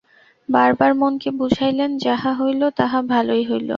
বার বার মনকে বুঝাইলেন-যাহা হইল, তাহা ভালোই হইল।